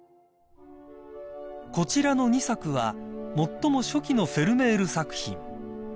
［こちらの２作は最も初期のフェルメール作品］